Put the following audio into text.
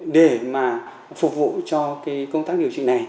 để mà phục vụ cho cái công tác điều trị này